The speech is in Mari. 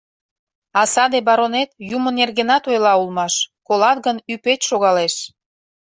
А саде баронет юмо нергенат ойла улмаш — колат гын, ӱпет шогалеш!